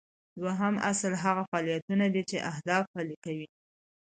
دوهم اصل هغه فعالیتونه دي چې اهداف پلي کوي.